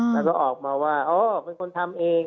แล้วก็ออกมาว่าอ๋อเป็นคนทำเอง